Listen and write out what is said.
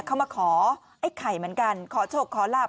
เขามาขอไอ้ไข่เหมือนกันขอโชคขอลาบ